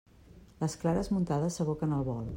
Les clares muntades s'aboquen al bol.